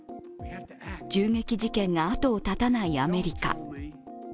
銃撃事件が後を絶たないアメリカ。